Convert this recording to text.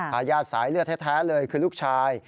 ทายาทสายเลือดแท้เลยคือลูกชาย